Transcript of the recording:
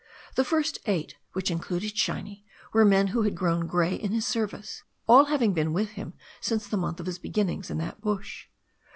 The first eight, which included Shiny, were men who had grown g^ey in his service, all having been with him since the month of his beginnings in that bush.